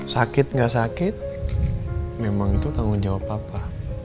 sakit gak sakit memang itu tanggung jawab papa